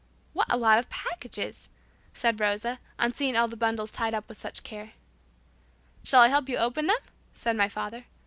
"What a lot of packages!" said Rosa, on seeing all the bundles tied up with such care. "Shall I help you open them?" said my father.